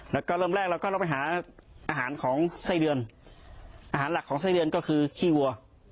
แล้วก็เริ่มแรกเราก็เราไปหาอาหารของไส้เดือนอาหารหลักของไส้เดือนก็คือขี้วัว